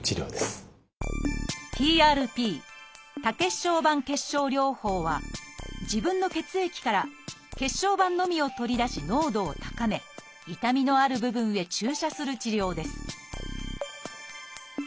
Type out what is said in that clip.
ＰＲＰ多血小板血しょう療法は自分の血液から血小板のみを取り出し濃度を高め痛みのある部分へ注射する治療です